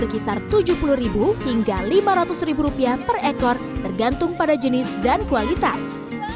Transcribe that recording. berkisar tujuh puluh hingga lima ratus rupiah per ekor tergantung pada jenis dan kualitas